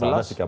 belum ada ini